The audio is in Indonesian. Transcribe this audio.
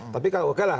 tapi oke lah